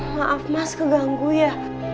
maaf mas keganggu ya